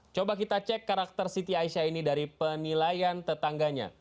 coba kita cek karakter siti aisyah ini dari penilaian tetangganya